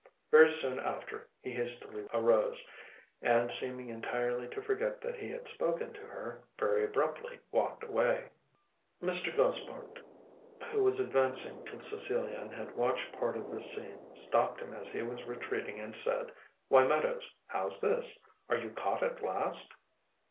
Very soon after, he hastily arose, and seeming entirely to forget that he had spoken to her, very abruptly walked away. Mr. Gosport, who was advancing to Cecilia and had watched part of this scene, stopped him as he was retreating, and said, "Why, Meadows, how's this? are you caught at last?"